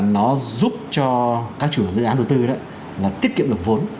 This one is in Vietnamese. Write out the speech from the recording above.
nó giúp cho các chủ dự án đầu tư đó là tiết kiệm được vốn